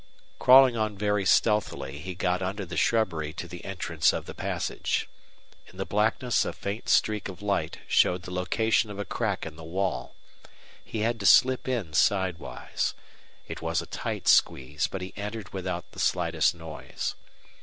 Crawling on very stealthily, he got under the shrubbery to the entrance of the passage. In the blackness a faint streak of light showed the location of a crack in the wall. He had to slip in sidewise. It was a tight squeeze, but he entered without the slightest noise.